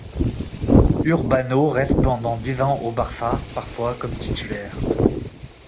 Urbano reste pendant dix ans au Barça, parfois comme titulaire.